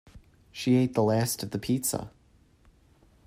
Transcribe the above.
She ate the last of the pizza